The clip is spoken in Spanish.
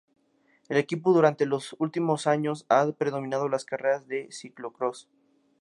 El equipo durante los últimos años ha predominado las carreras de Ciclocrós.